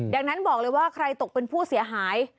ดังนั้นบอกเลยว่าใครตกเป็นผู้เสียหาย